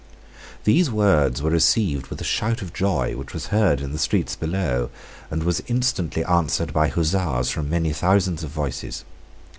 These words were received with a shout of joy which was heard in the streets below, and was instantly answered by huzzas from many thousands of voices.